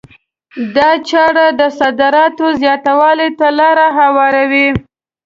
دا چاره د صادراتو زیاتوالي ته لار هواروي.